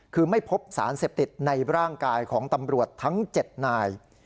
คือไม่พบสารเสพติดในร่างกายของตำรวจทั้ง๗นาย